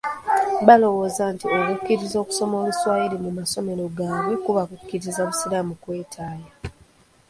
Baalowooza nti okukkiriza okusomesa Oluswayiri mu masomero gaabwe kuba kukkiriza busiraamu kwetaaya.